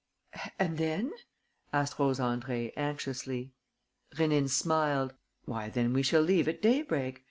"And then?" asked Rose Andrée, anxiously. Rénine smiled: "Why, then we shall leave at daybreak.